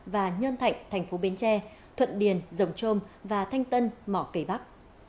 và nhân thạnh thành phố bến tre thuận điền dồng trôm và thanh tân mỏ cầy bắc